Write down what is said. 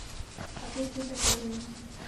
আপনি চিন্তা করবেন না।